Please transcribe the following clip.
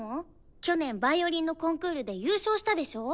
去年ヴァイオリンのコンクールで優勝したでしょ？